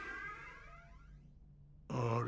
あれ？